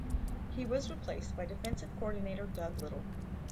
He was replaced by Defensive Coordinator Doug Lytle.